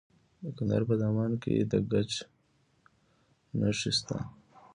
د کندهار په دامان کې د ګچ نښې شته.